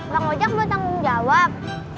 bang ojak boleh tanggung jawab